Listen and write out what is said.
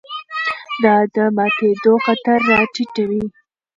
دا د ماتېدو خطر راټیټوي.